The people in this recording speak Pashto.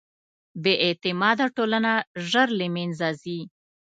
بېاعتماده ټولنه ژر له منځه ځي.